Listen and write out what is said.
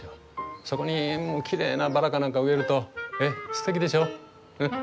そこにきれいなバラか何か植えるとすてきでしょ。